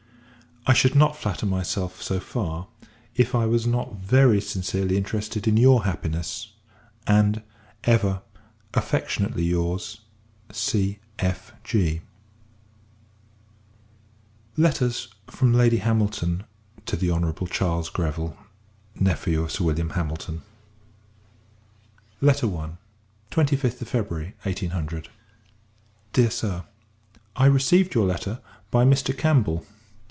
I should not flatter myself so far, if I was not very sincerely interested in your happiness; and, ever, affectionately your's, C.F.G. Letters FROM LADY HAMILTON TO THE HON. CHARLES GREVILLE, Nephew of Sir William Hamilton. Letters OF LADY HAMILTON, &c. I. 25th of February, [1800.] DEAR SIR, I received your letter by Mr. Campbell.